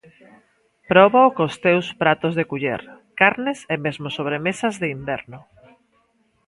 Próbao cos teus pratos de culler, carnes e mesmo sobremesas de inverno.